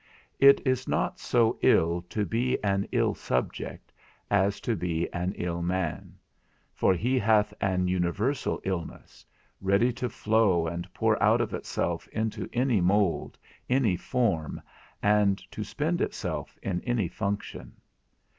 It is not so ill to be an ill subject as to be an ill man; for he hath an universal illness, ready to flow and pour out itself into any mould, any form, and to spend itself in any function.